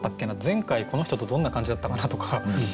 前回この人とどんな感じだったかなとか。